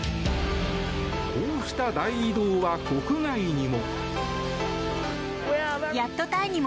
こうした大移動は国外にも。